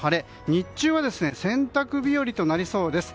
日中は洗濯日和となりそうです。